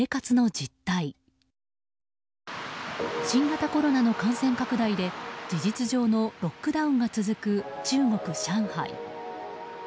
新型コロナの感染拡大で事実上のロックダウンが続く中国・上海。